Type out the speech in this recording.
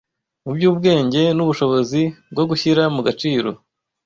mu by’ubwenge n’ubushobozi bwo gushyira mu gaciro